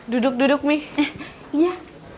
duduk duduk mi iya